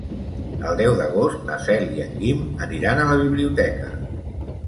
El deu d'agost na Cel i en Guim aniran a la biblioteca.